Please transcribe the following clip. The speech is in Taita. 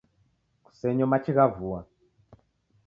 Kusenyo machi gha vua